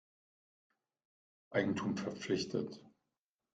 Eigentum verpflichtet.